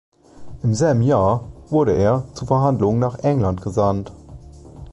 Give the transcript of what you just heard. Im selben Jahr wurde er zu Verhandlungen nach England gesandt.